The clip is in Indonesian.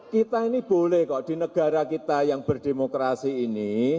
kita ini boleh kok di negara kita yang berdemokrasi ini